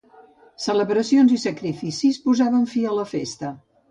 Celebracions i sacrificis posaven fi a la festa.